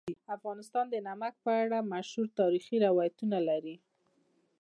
افغانستان د نمک په اړه مشهور تاریخی روایتونه لري.